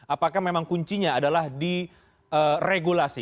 apakah memang kuncinya adalah di regulasi